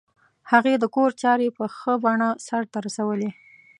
هغې د کور چارې په ښه بڼه سرته رسولې